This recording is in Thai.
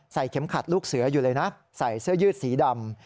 เข็มขัดลูกเสืออยู่เลยนะใส่เสื้อยืดสีดำ